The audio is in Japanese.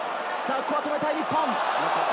ここは止めたい、日本。